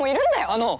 あの！